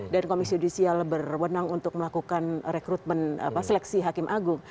dan komisi judisial berwenang untuk melakukan rekrutmen seleksi hakim agung